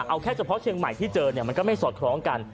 เอาแค่เฉพาะเชียงใหม่ที่เจอเนี่ยมันก็ไม่สอดคล้องกัน